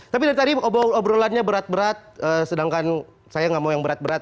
tapi dari tadi obrolannya berat berat sedangkan saya nggak mau yang berat berat